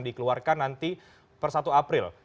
dikeluarkan nanti per satu april